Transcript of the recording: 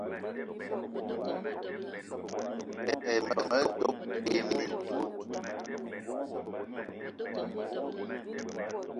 Ebeng doöb te mintout.